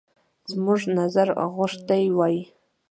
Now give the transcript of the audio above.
زموږ نظر غوښتی وای.